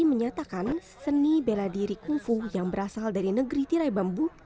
menyatakan seni bela diri kungfung yang berasal dari negeri tirai bambu